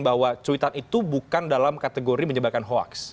bahwa cuitan itu bukan dalam kategori menyebarkan hoaks